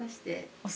◆押す。